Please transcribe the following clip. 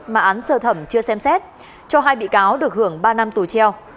mà án sơ thẩm chưa xem xét cho hai bị cáo được hưởng ba năm tù treo